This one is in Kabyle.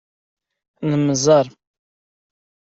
Nemmẓer.